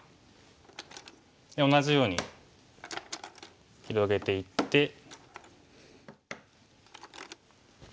同じように広げていって。